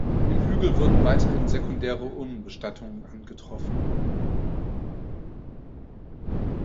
Im Hügel wurden weiterhin sekundäre Urnenbestattungen angetroffen.